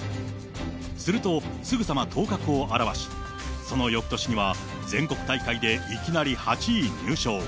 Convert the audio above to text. すると、すぐさま頭角を現し、そのよくとしには全国大会でいきなり８位入賞。